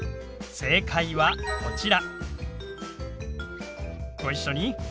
正解はこちら。